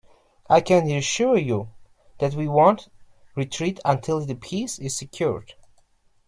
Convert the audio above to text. I can reassure you, that we won't retreat until the peace is secured.